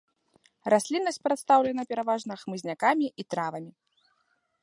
Расліннасць прадстаўлена пераважна хмызнякамі і травамі.